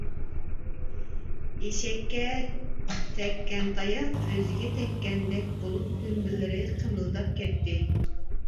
ئېشەككە تەگكەن تاياق ئۆزىگە تەگكەندەك بولۇپ دۈمبىلىرى قىمىلداپ كەتتى.